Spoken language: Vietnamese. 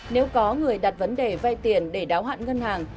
nếu có người đặt vấn đề vay tiền để đáo hạn ngân hàng